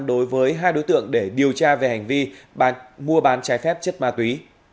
đối với hai đối tượng để điều tra về hành vi mua bán trái phép chất ma túy